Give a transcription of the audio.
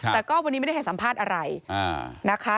แต่ก็วันนี้ไม่ได้ให้สัมภาษณ์อะไรนะคะ